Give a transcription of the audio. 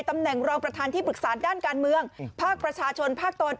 ตำแหน่งรองประธานที่ปรึกษาด้านการเมืองภาคประชาชนภาคตอน